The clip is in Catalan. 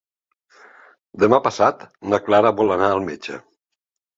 Demà passat na Clara vol anar al metge.